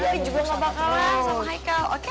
tapi juga gak bakalan sama haikal oke